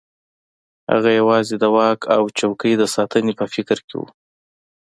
هغه یوازې د واک او څوکۍ د ساتنې په فکر کې وو.